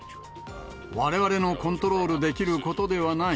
われわれのコントロールできることではない。